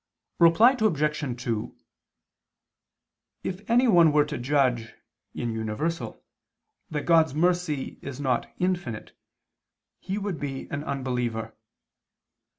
Reply Obj. 2: If anyone were to judge, in universal, that God's mercy is not infinite, he would be an unbeliever.